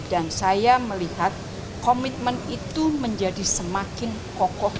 dan saya melihat komitmen itu menjadi semakin kokoh